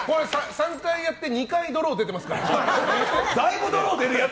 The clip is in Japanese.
３回やって２回ドロー出てますから。